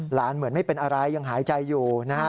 เหมือนไม่เป็นอะไรยังหายใจอยู่นะฮะ